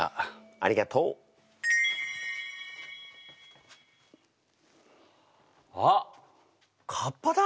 ありがとう！あっかっぱだ！